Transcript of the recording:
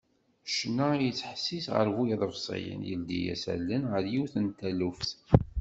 Ccna i yettḥessis γer bu iḍebsiyen yeldi-as allen γer yiwet n taluft.